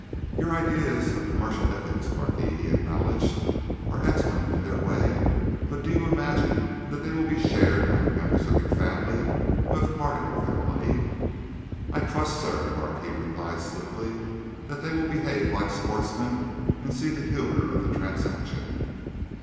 "Your ideas of commercial ethics, Marquis," he acknowledged, "are excellent in their way, but do you imagine that they will be shared by the members of your family who have parted with their money?" "I trust, sir," the Marquis replied stiffly, "that they will behave like sportsmen and see the humour of the transaction."